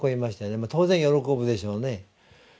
当然喜ぶでしょうね。